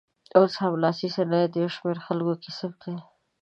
اوس هم لاسي صنایع د یو شمېر خلکو کسب دی.